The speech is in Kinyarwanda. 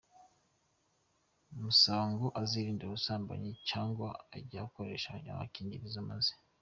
musaba ngo azirinde ubusambanyi cyangwa ajye akoresha agakingirizo maze.